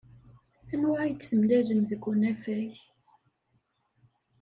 Anwa ay d-temlalem deg unafag?